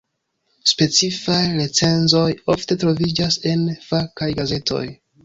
Specifaj recenzoj ofte troviĝas en fakaj gazetoj.